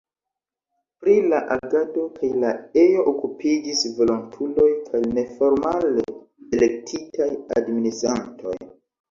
Pri la agado kaj la ejo okupiĝis volontuloj kaj neformale elektitaj administrantoj.